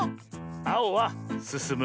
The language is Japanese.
あおは「すすむ」